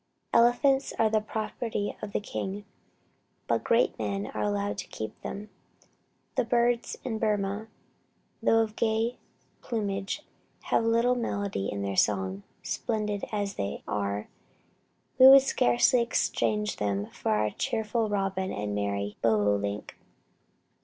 Elephants are the property of the king, but great men are allowed to keep them. The birds in Burmah, though of gay plumage, have little melody in their song; splendid as they are, we would scarce exchange for them our cheerful robin and merry bobolink.